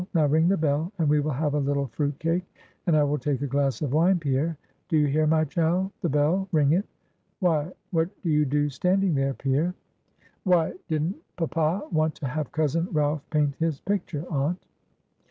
Now ring the bell, and we will have a little fruit cake, and I will take a glass of wine, Pierre; do you hear, my child? the bell ring it. Why, what do you do standing there, Pierre?" "Why didn't papa want to have cousin Ralph paint his picture, aunt?"